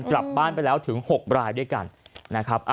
กลับบ้านไปแล้วถึง๖รายด้วยกันนะครับ